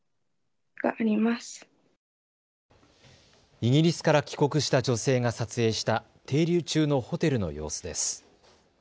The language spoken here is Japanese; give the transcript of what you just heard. イギリスから帰国した女性が撮影した停留中のホテルの様子です。